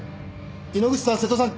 猪口さん瀬戸さん